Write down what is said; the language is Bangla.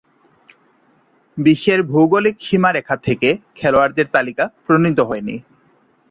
বিশ্বের ভৌগোলিক সীমারেখা থেকে খেলোয়াড়দের তালিকা প্রণীত হয়নি।